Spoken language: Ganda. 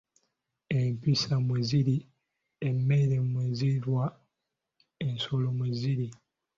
"Empisa mwe ziri, emmere mw'erimwa, ensolo mweziri."